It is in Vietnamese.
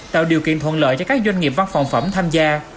tạo điều kiện thuận lợi cho các doanh nghiệp văn phòng phẩm tham gia